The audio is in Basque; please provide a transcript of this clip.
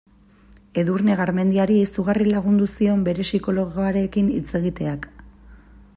Edurne Garmendiari izugarri lagundu zion bere psikologoarekin hitz egiteak.